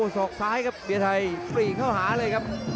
ศอกซ้ายครับเบียร์ไทยปรีกเข้าหาเลยครับ